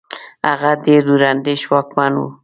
هغه ډېر دور اندېش واکمن وو.